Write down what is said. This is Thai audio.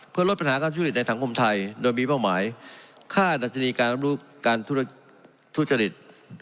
เพื่อลดปัญหาการทุจริตในสังคมไทยโดยมีเป้าหมายค่าดัชนีการรับรู้การทุจริต